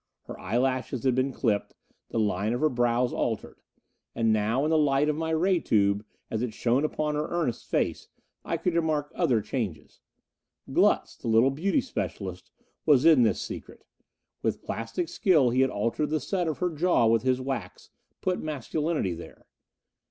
Her eyelashes had been clipped; the line of her brows altered. And now, in the light of my ray tube as it shone upon her earnest face, I could remark other changes. Glutz, the little beauty specialist, was in this secret. With plastic skill he had altered the set of her jaw with his wax put masculinity there.